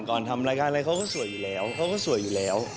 ก่อนทำรายการอะไรเขาก็สวยอยู่แล้ว